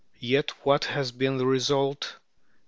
Yet what has been the result?